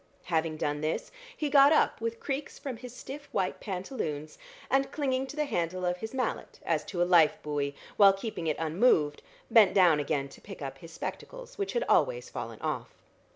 Having done this he got up with creaks from his stiff white pantaloons, and clinging to the handle of his mallet, as to a life buoy, while keeping it unmoved, bent down again to pick up his spectacles which had always fallen off.